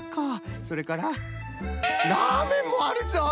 それからラーメンもあるぞい！